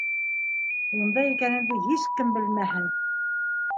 Унда икәненде һис кем белмәһен!